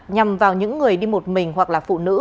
nhằm vào những người đi một mình hoặc là phụ nữ